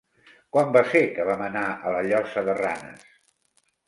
Quan va ser que vam anar a la Llosa de Ranes?